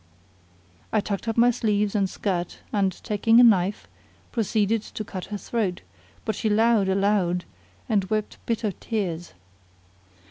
I tucked up my sleeves and skirt and, taking a knife, proceeded to cut her throat, but she lowed aloud and wept bitter tears.